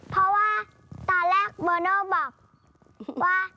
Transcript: เพราะว่าตอนแรกโมโน่บอกว่า